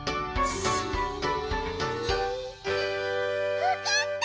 わかった！